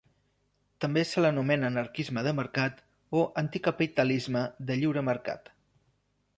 També se l'anomena anarquisme de mercat o anticapitalisme de lliure mercat.